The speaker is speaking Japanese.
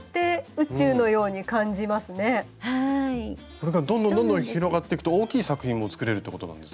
これがどんどんどんどん広がってくと大きい作品も作れるってことなんですよね。